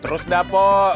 terus dah pok